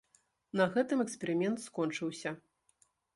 На гэтым эксперымент скончыўся.